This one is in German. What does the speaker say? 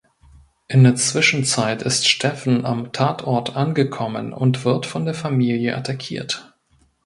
In der Zwischenzeit ist Stephen am Tatort angekommen und wird von der Familie attackiert.